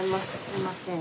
すいません。